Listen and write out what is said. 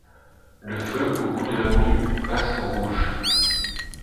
Le feu au bout de l’avenue passe au rouge.